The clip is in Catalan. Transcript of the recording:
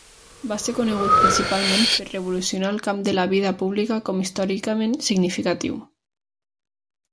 Va se conegut principalment per revolucionar el camp de la vida pública com històricament significatiu.